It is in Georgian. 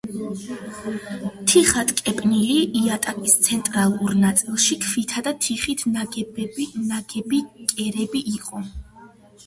თიხატკეპნილი იატაკის ცენტრალურ ნაწილში ქვითა და თიხით ნაგები კერები იყო.